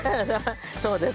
そうです。